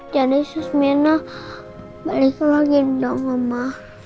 jadi suster mirna balik lagi dong oma